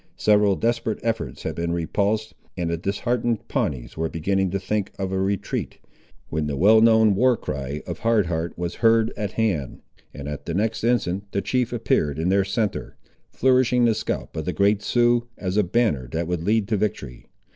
Several desperate efforts had been repulsed, and the disheartened Pawnees were beginning to think of a retreat, when the well known war cry of Hard Heart was heard at hand, and at the next instant the chief appeared in their centre, flourishing the scalp of the Great Sioux, as a banner that would lead to victory.